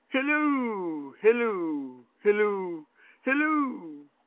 Hilloo, hilloo, hilloo, hilloo!